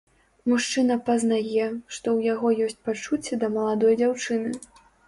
Мужчына пазнае, што ў яго ёсць пачуцці да маладой дзяўчыны.